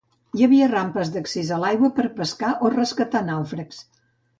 Hi havia rampes d'accés a l'aigua per a pescar o rescatar nàufrags.